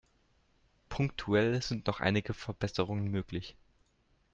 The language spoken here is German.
Punktuell sind noch einige Verbesserungen möglich.